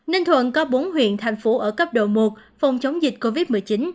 ninh thuận có bốn huyện thành phố ở cấp độ một phòng chống dịch covid một mươi chín